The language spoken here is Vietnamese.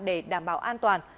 để đảm bảo an toàn